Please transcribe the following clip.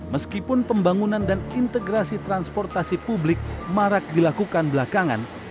meskipun pembangunan dan integrasi transportasi publik marak dilakukan belakangan